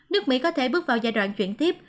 nước mỹ có thể bước vào giai đoạn chuyển tiếp